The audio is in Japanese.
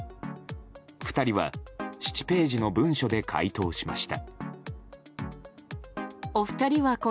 ２人は７ページの文書で回答しました。